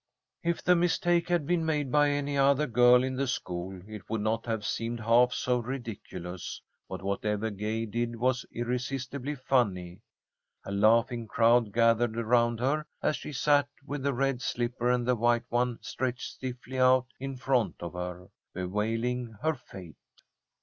If the mistake had been made by any other girl in the school, it would not have seemed half so ridiculous, but whatever Gay did was irresistibly funny. A laughing crowd gathered around her, as she sat with the red slipper and the white one stretched stiffly out in front of her, bewailing her fate.